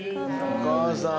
お母さん。